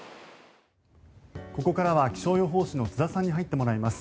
ここからは気象予報士の津田さんに入ってもらいます。